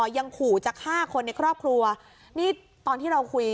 ยังขู่จะฆ่าคนในครอบครัวนี่ตอนที่เราคุย